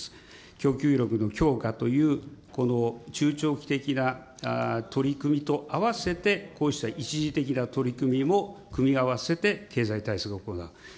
供給力の強化というこの中長期的な取り組みとあわせて、こうした一時的な取り組みも組み合わせて経済対策を行う。